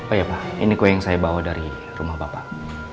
oh iya pak ini kue yang saya bawa dari rumah bapak